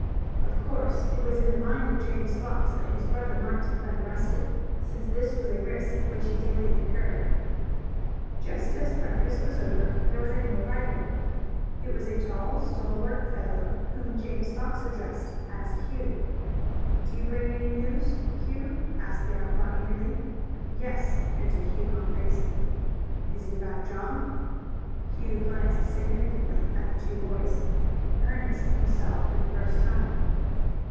Of course it was in the mind of James Fox that his brother might have been arrested, since this was a risk which he daily incurred. Just as breakfast was over there was a new arrival. It was a tall, stalwart fellow whom James Fox addressed as Hugh. "Do you bring any news, Hugh?" asked the outlaw eagerly. "Yes," answered Hugh Humphries. "Is it about John?" Hugh glanced significantly at the two boys. Ernest he saw for the first time.